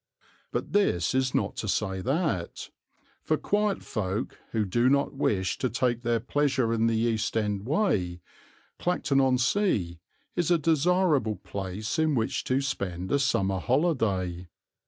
But this is not to say that, for quiet folk who do not wish to take their pleasure in the East End way, Clacton on Sea is a desirable place in which to spend a summer holiday.